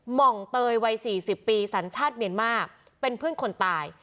หมองเตยวัย๔๐ปีสัญชาติเมียนมาร์เป็นเพื่อนคนตาย